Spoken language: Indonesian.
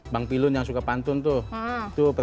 bang pilun yang suka pantun itu menado